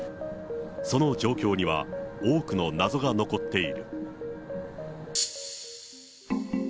その状況には多くの謎が残っている。